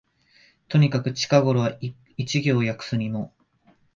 とにかく近頃は一行訳すにも、